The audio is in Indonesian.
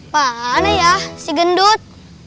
mana ya si gendut